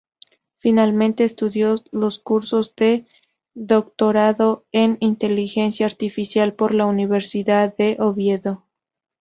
Finalmente, estudió los cursos de doctorado en Inteligencia Artificial por la Universidad de Oviedo.